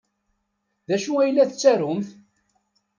D acu ay la tettarumt?